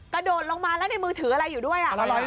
กระโดดลงมาแล้วในมือถืออะไรอยู่ด้วย